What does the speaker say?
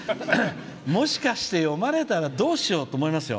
もしかして、読まれたらどうしようって思いますよ。